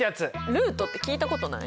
ルートって聞いたことない？